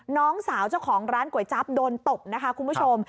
น้องสาวเจ้าของร้านก๋วยจั๊บโดนตบนะคะคุณผู้ชม